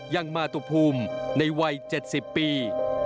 ยังมาตุภูมิในวัย๗๐ปี